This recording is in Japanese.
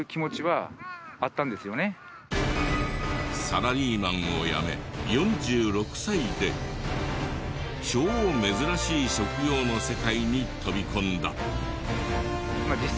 サラリーマンを辞め４６歳で超珍しい職業の世界に飛び込んだ。